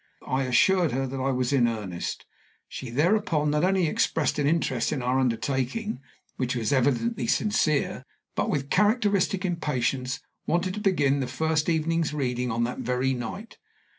I assured her that I was in earnest. She thereupon not only expressed an interest in our undertaking, which was evidently sincere, but, with characteristic impatience, wanted to begin the first evening's reading on that very night.